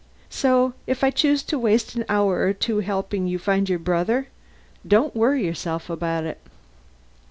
So if I choose to waste an hour or two helping you find your brother, don't worry yourself about it."